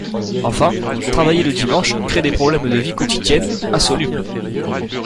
Enfin, travailler le dimanche crée des problèmes de vie quotidienne insolubles.